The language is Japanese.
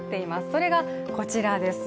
それがこちらです。